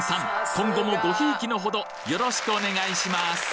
今後もご贔屓のほどよろしくお願いします